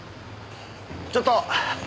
ちょっと！